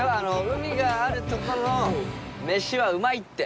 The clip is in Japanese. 海があるとこの飯はうまいって。